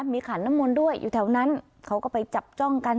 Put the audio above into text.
มีขันน้ำมนต์ด้วยอยู่แถวนั้นเขาก็ไปจับจ้องกัน